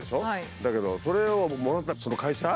だけどそれをもらったその会社。